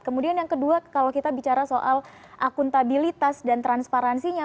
kemudian yang kedua kalau kita bicara soal akuntabilitas dan transparansinya